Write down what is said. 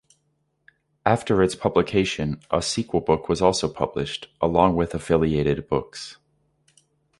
After its publication, a sequel book was also published, along with affiliated books.